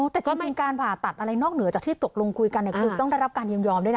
แต่จริงการผ่าตัดอะไรนอกเหนือจากที่ตกลงคุยกันคือต้องได้รับการยินยอมด้วยนะ